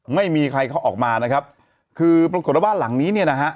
ไม่มีใครเขาออกมานะครับคือปรากฏว่าบ้านหลังนี้เนี่ยนะฮะ